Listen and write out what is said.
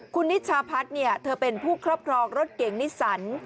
คุณนิชาพัฒน์เธอเป็นผู้ครอบครองรถเก่งนิสัน